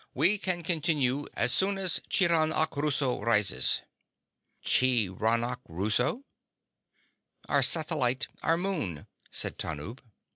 "We can continue as soon as Chiranachuruso rises." "Chiranachuruso?" "Our satellite ... our moon," said Tanub.